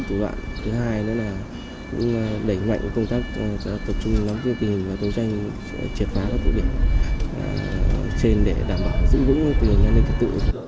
trong thời gian này công an huyện văn yên tỉnh yên bái đã đấu tranh triệt phá hàng trăm triệu đồng tiền bạc cùng nhiều tăng vật khác